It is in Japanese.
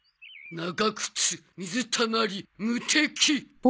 長靴水たまり無敵。